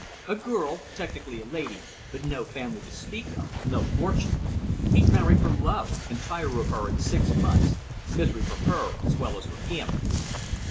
A girl, technically a lady, but no family to speak of, no fortune. He'd marry for love, and tire of her in six months, misery for her as well as for him."